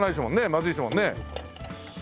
まずいですもんね。